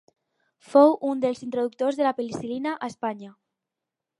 Fou un dels introductors de la penicil·lina a Espanya.